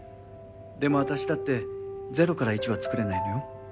でもあたしだって０から１はつくれないのよ。